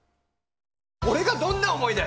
俺がどんな思いで！